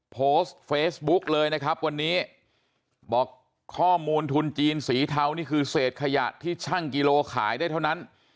โพสต์เฟซบุ๊กเลยนะครับวันนี้บอกข้อมูลทุนจีนสีเทานี่คือเศษขยะที่ช่างกิโลขายได้เท่านั้น